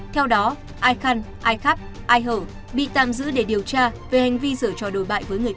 theo đó ai khăn ai khắp ai hở bị tạm giữ để điều tra về hành vi dở cho đối bại